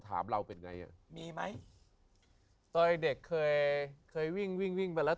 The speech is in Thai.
ถามเราเป็นไงอ่ะมีไหมตอนเด็กเคยเคยวิ่งวิ่งวิ่งวิ่งไปแล้ว